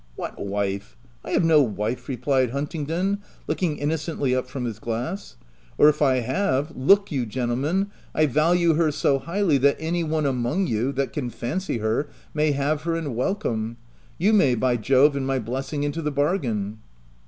what wife? I have no wife/ replied Huntingdon, looking innocently up from his glass —' or if I have, look you gen OF WILDFELL HALL. 39 tlemen, I value her so highly that any one among you, that can fancy her, may have her and welcome — you may, by Jove and my bless ing into the bargain